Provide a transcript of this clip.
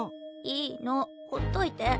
いいのほっといて。